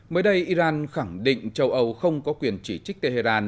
mới đây iran khẳng định châu âu không có quyền chỉ trích tehran